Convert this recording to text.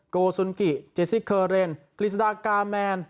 โกวสุนกิเจสซิคเคอร์เรนคริสดากาแมน